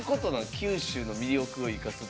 九州の魅力をいかすって。